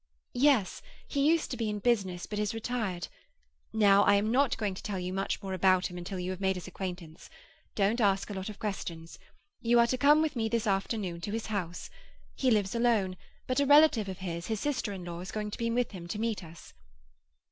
"Yes. He used to be in business, but is retired. Now, I am not going to tell you much more about him until you have made his acquaintance. Don't ask a lot of questions. You are to come with me this afternoon to his house. He lives alone, but a relative of his, his sister in law, is going to be with him to meet us."